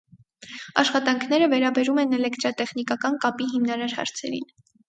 Աշխատանքները վերաբերում են էլեկտրատեխնիկական կապի հիմնարար հարցերին։